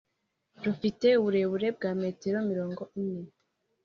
rufite uburebure bwa metero mirongo ine